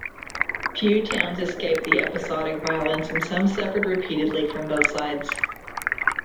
Few towns escaped the episodic violence and some suffered repeatedly from both sides.